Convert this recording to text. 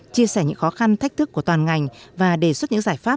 chia sẻ những khó khăn thách thức của toàn ngành và đề xuất những giải pháp